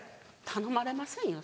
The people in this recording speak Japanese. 頼まれませんよ。